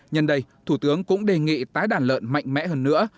nhân đây thủ tướng cũng đề nghị tái đàn lợn mạnh mẽ hơn nữa